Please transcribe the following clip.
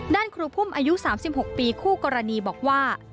ครูพุ่มอายุ๓๖ปีคู่กรณีบอกว่า